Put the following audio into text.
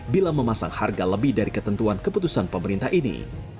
bila memasang harga lebih dari ketentuan keputusan pemerintah ini